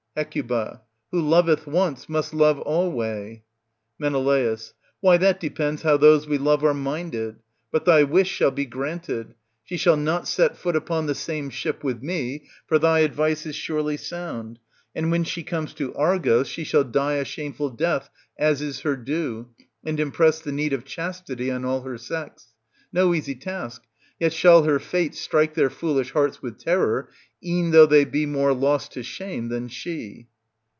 Hec. Who loveth once, must love alway. Men. Why, that depends how those we love are minded. But thy wish shall be granted ; she shall not set foot upon the same ship with me ; for thy advice is surely sound ; and when she comes to Argos she shall die a shameful death as is her due, and impress the need of chastity on all her sex ; no easy task ; yet shall her fate strike their foolish hearts with terror, e'en though they be more lost to shame ^ than she.